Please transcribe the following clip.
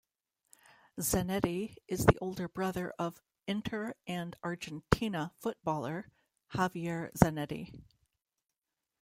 Zanetti is the older brother of Inter and Argentina footballer Javier Zanetti.